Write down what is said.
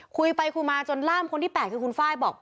คุยไปคุยมาจนล่ามคนที่๘คือคุณไฟล์บอก